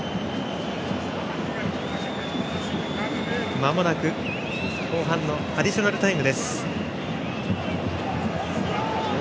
まもなく後半のアディショナルタイム。